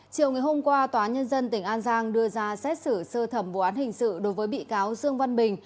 chiều ngày hôm qua tòa nhân dân tỉnh an giang đưa ra xét xử sơ thẩm vụ án hình sự đối với bị cáo dương văn bình